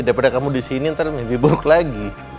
daripada kamu disini ntar mimpi buruk lagi